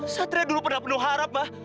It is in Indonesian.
satria dulu pernah penuh harap mah